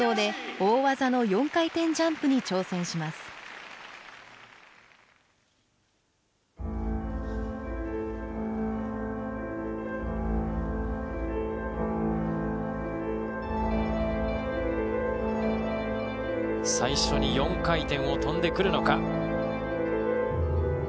最初に４回転を跳んでくるのか。